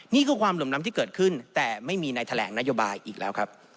นี่คือความเหลื่อมล้ำที่เกิดขึ้นแต่ไม่มีในแถลงนโยบายอีกแล้วครับ